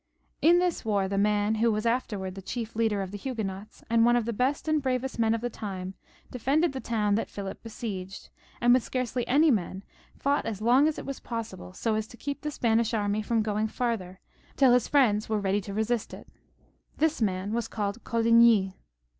In this war the man who was afterwards the chief leader of the Huguenots, and one of the best and bravest men of the time, defended the town that PhiKp besieged, and with scarcely any men fought as long as it was possible, so a. I kelp the SpLsh army from going farther till his friends were ready to resist it. This man was called Coligny.